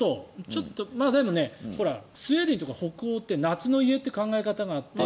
でもねスウェーデンとか北欧って夏の家って考え方があって。